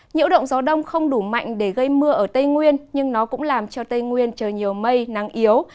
nhiễu động gió đông không đủ mạnh để gây mưa ở tây nguyên nhưng nó cũng làm cho tây nguyên trời nhiều mây nắng yếu